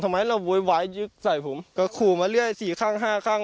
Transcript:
ทีนี้พอเราใช้ไฟส่องพรุ่งเกิดอะไรขึ้นต่อครับ